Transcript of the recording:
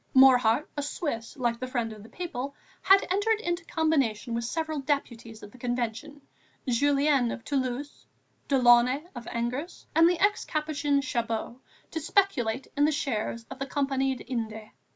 Morhardt, a Swiss like the Friend of the People, had entered into a combination with several deputies of the Convention, Julien (of Toulouse), Delaunay (of Angers) and the ex Capuchin Chabot, to speculate in the shares of the Compagnie des Indes.